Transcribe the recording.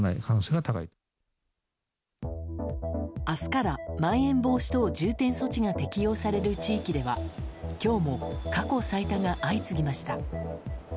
明日からまん延防止等重点措置が適用される地域では今日も過去最多が相次ぎました。